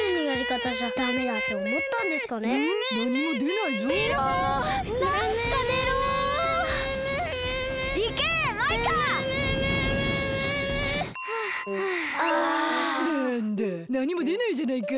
なんだなにもでないじゃないか。